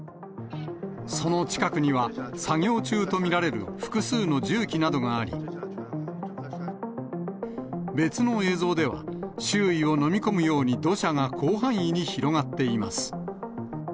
その近くには、作業中と見られる複数の重機などがあり、別の映像では、周囲を飲み込むように土砂が広範囲に広がっています。